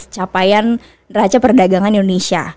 capaian raja perdagangan indonesia